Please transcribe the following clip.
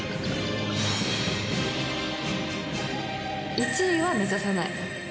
１位は目指さない。